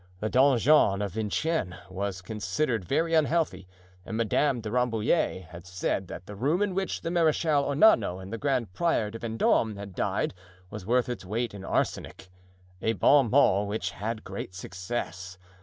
The donjon of Vincennes was considered very unhealthy and Madame de Rambouillet had said that the room in which the Marechal Ornano and the Grand Prior de Vendome had died was worth its weight in arsenic—a bon mot which had great success.